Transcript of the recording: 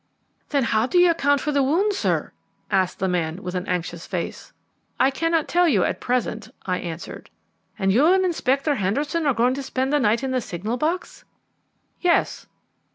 "Then how do you account for the wound, sir?" asked the man with an anxious face. "I cannot tell you at present," I answered. "And you and Inspector Henderson are going to spend the night in the signal box?" "Yes."